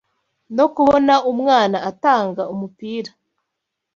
no kubona umwana atanga umupira